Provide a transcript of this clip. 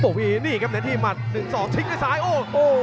โดยเบียดเข้าใส่ปลดยกที่สี่ครับ